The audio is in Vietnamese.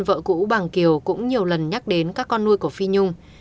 vợ cũ bằng kiều cũng nhiều lần nhắc đến các con nuôi của phi nhung